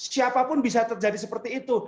siapapun bisa terjadi seperti itu